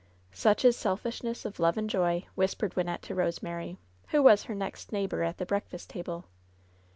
"Such is selfishness of love and joy," whispered Wyn nette to Rosemary, who was her next neighbor at the breakfast table.